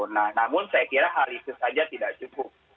nah namun saya kira hal itu saja tidak cukup